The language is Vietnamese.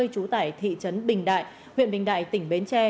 trú tại thị trấn bình đại huyện bình đại tỉnh bến tre